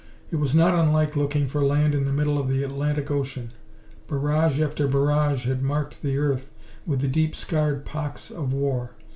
It was not unlike looking for land in the middle of the Atlantic Ocean. Barrage after barrage had marked the earth with the deep scarred pocks of war.